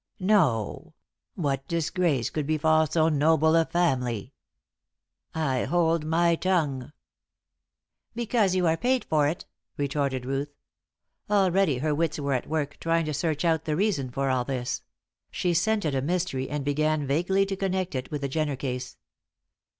"No: what disgrace could befall so noble a family? I hold my tongue." "Because you are paid for it," retorted Ruth. Already her wits were at work trying to search out the reason for all this: she scented a mystery and began vaguely to connect it with the Jenner case.